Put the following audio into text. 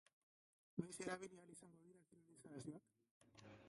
Noiz erabili ahal izango dira kirol instalazioak?